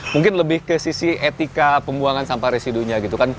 mungkin lebih ke sisi etika pembuangan sampah residunya